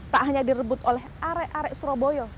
tak hanya direbut oleh arek arek surabaya